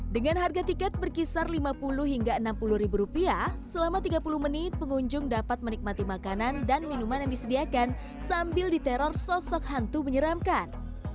dengan harga tiket berkisar lima puluh hingga enam puluh ribu rupiah selama tiga puluh menit pengunjung dapat menikmati makanan dan minuman yang disediakan sambil diteror sosok hantu menyeramkan